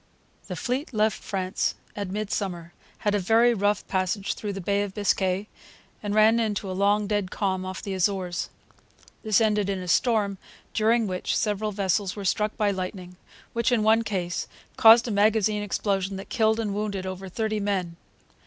The fleet left France at midsummer, had a very rough passage through the Bay of Biscay, and ran into a long, dead calm off the Azores. This ended in a storm, during which several vessels were struck by lightning, which, in one case, caused a magazine explosion that killed and wounded over thirty men.